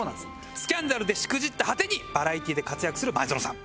スキャンダルでしくじった果てにバラエティで活躍する前園さん。